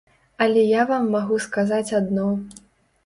Але я вам магу сказаць адно.